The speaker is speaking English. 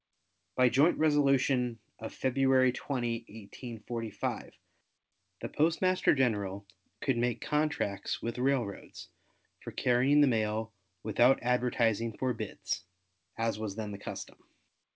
By joint resolution of February 20, 1845, the Postmaster General could make contracts with railroads for carrying the mail without advertising for bids as was then the custom.